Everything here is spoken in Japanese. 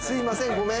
ごめん。